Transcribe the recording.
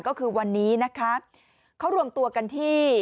ก็คือวันนี้นะคะเขารวมตัวกันที่